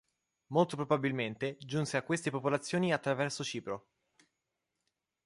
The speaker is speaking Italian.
Molto probabilmente giunse a queste popolazioni attraverso Cipro.